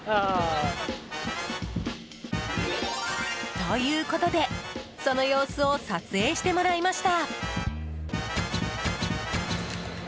ということでその様子を撮影してもらいました。